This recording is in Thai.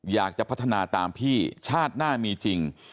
อยากจะพัฒนาตามพี่ชาติหน้ามีจริง